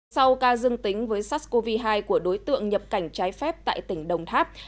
sau ca dương tính với sars cov hai của đối tượng nhập cảnh trái phép tại tỉnh đồng tháp